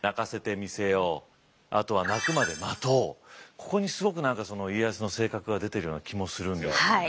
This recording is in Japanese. ここにすごく何か家康の性格が出ているような気もするんですよね。